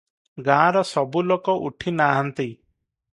ଗାଁର ସବୁ ଲୋକ ଉଠି ନାହାଁନ୍ତି ।